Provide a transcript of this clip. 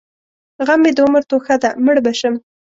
غم مې د عمر توښه ده؛ مړ به شم.